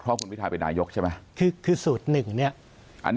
เพราะคุณวิทยาเป็นนายกใช่ไหม